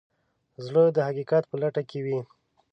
زړه د حقیقت په لټه کې وي.